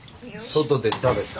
外で食べた。